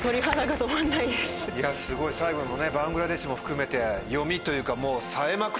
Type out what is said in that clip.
いやすごい最後のねバングラデシュも含めて読みというかもう。